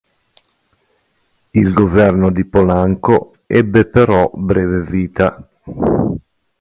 Il governo di Polanco ebbe però breve vita.